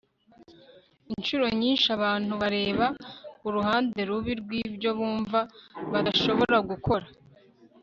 inshuro nyinshi abantu bareba uruhande rubi rwibyo bumva badashobora gukora